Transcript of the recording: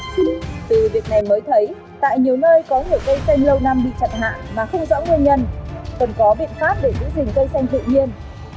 khi từ việc này mới thấy tại nhiều nơi có nhiều cây xanh lâu năm bị chặt hạ mà không rõ nguyên nhân cần có biện pháp để giữ gìn cây xanh tự nhiên